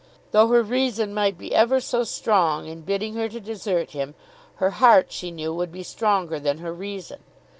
Though her reason might be ever so strong in bidding her to desert him, her heart, she knew, would be stronger than her reason.